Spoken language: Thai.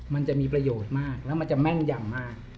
มันจะมีประโยชน์มากแล้วมันจะแม่นยำมาก